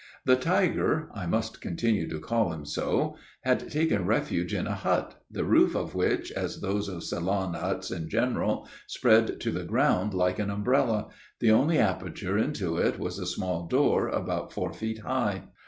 The tiger (I must continue to call him so) had taken refuge in a hut, the roof of which, as those of Ceylon huts in general, spread to the ground like an umbrella; the only aperture into it was a small door, about four feet high.